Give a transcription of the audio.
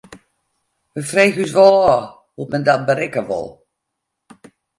We freegje ús wol ôf hoe't men dat berikke wol.